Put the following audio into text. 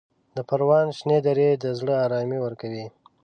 د پروان شنې درې د زړه ارامي ورکوي.